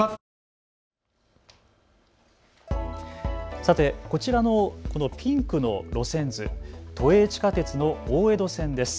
さて、こちらのこのピンクの路線図、都営地下鉄の大江戸線です。